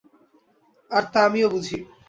আর তা আমিও বুঝি!